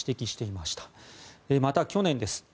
また、去年です。